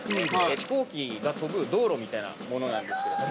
飛行機が飛ぶ道路みたいなものなんですけれども。